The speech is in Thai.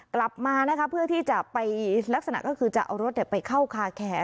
กลับมานะคะเพื่อที่จะไปลักษณะก็คือจะเอารถไปเข้าคาแคร์